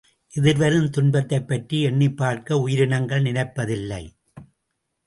எதிர்வரும் துன்பத்தைப்பற்றி எண்ணிப் பார்க்க உயிரினங்கள் நினைப்பதில்லை.